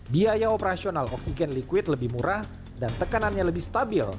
biaya operasional oksigen liquid lebih murah dan tekanannya lebih stabil